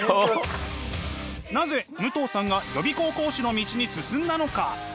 なぜ武藤さんが予備校講師の道に進んだのか？